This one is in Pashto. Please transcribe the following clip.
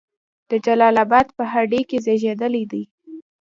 د جلال آباد په هډې کې زیږیدلی دی.